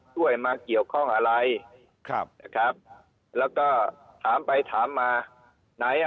ช่วยมาเกี่ยวข้องอะไรครับนะครับแล้วก็ถามไปถามมาไหนอ่ะ